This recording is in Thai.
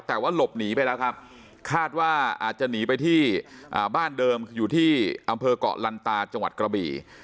แต่ว่าหลบหนีไปแล้วครับคาดว่าอาจจะหนีไปที่บ้านเดิมอยู่ที่อำเภอกเกาะลันตาจังหวัดกระบี่